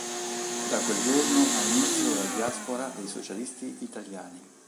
Da quel giorno ha inizio la diaspora dei socialisti italiani.